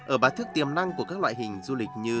ở bá thước tiềm năng của các loại hình du lịch như